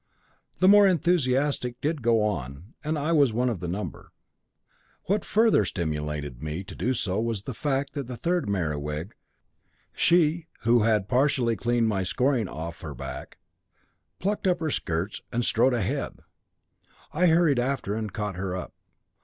The more enthusiastic did go on, and I was of the number. What further stimulated me to do so was the fact that the third Merewig, she who had partially cleaned my scoring off her back, plucked up her skirts, and strode ahead. I hurried after and caught her up.